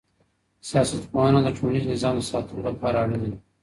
سياست پوهنه د ټولنیز نظام د ساتلو لپاره اړینه ده.